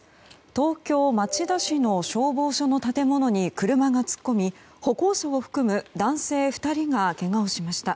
東京・町田市の消防署の建物に車が突っ込み、歩行者を含む男性２人がけがをしました。